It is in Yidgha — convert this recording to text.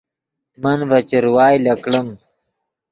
من ڤے چروائے لکڑیم